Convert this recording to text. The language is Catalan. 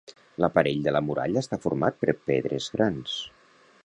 L'aparell de la muralla està format per pedres grans.